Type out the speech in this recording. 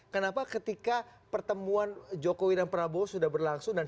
kenapa ketika pertemuan jokowi dan prabowo sudah berlangsung